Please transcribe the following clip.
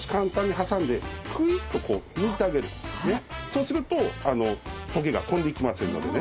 そうすると棘が飛んでいきませんのでね。